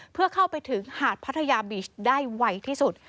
เพื่อเข้าไปถึงหาดพัทยาบีชได้ไวที่สุด